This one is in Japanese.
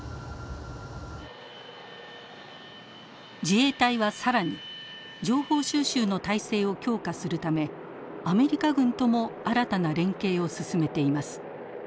自衛隊は更に情報収集の態勢を強化するためアメリカ軍とも新たな連携を進めています。